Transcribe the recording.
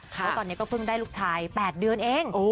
เพราะตอนนี้ก็เพิ่งได้ลูกชาย๘เดือนเอง